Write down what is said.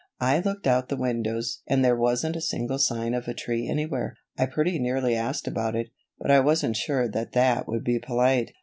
"I looked out the windows and there wasn't a single sign of a tree anywhere. I pretty nearly asked about it, but I wasn't sure that that would be polite."